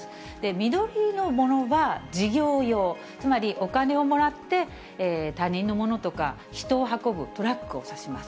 緑色のものは事業用、つまりお金をもらって、他人のものとか人を運ぶトラックを指します。